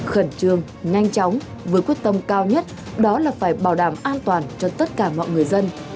khẩn trương nhanh chóng với quyết tâm cao nhất đó là phải bảo đảm an toàn cho tất cả mọi người dân